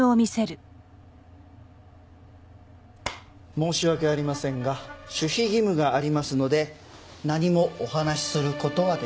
申し訳ありませんが守秘義務がありますので何もお話しする事はできません。